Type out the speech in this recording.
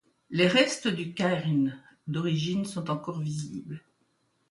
Les restes du cairn d'origine sont encore visibles.